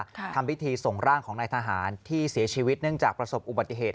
ทำพิธีส่งร่างของนายทหารที่เสียชีวิตเนื่องจากประสบอุบัติเหตุ